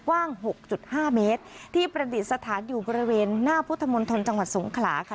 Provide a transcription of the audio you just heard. กว้าง๖๕เมตรที่ประดิษฐานอยู่บริเวณหน้าพุทธมณฑลจังหวัดสงขลาค่ะ